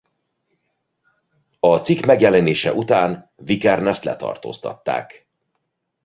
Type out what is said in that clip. A cikk megjelenése után Vikernest letartóztatták.